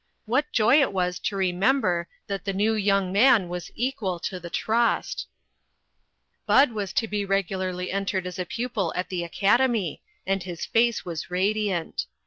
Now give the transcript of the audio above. What joy it was to remember that the new young A FAMILY SECRET. 425 man was equal to the trust. Bud was to be regularly entered as a pupil at the Academy, and his face was radiant.